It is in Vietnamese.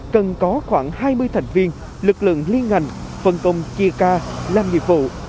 cần có khoảng hai mươi thành viên lực lượng liên ngành phân công chia ca làm nhiệm vụ